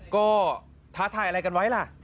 ก็ท้าทายอะไรกันไว้ล่ะ